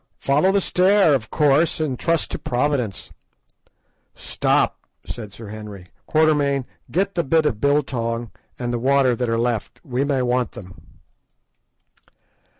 "Follow the stair, of course, and trust to Providence." "Stop!" said Sir Henry; "Quatermain, get the bit of biltong and the water that are left; we may want them."